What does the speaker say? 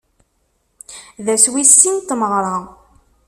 D ass wis sin n tmeɣra.